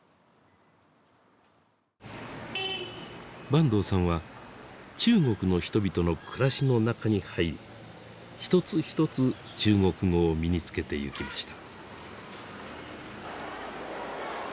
坂東さんは中国の人々の暮らしの中に入り一つ一つ中国語を身につけてゆきました。